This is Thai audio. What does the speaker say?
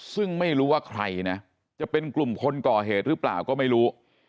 ซึ่งไม่รู้ว่าใครนะจะเป็นกลุ่มคนก่อเหตุหรือเปล่าก็ไม่รู้